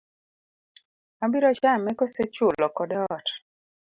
Abiro chame kose chulo kode ot?